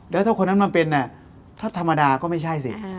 แล้วถ้าคนนั้นมาเป็นเนี่ยถ้าธรรมดาก็ไม่ใช่สิ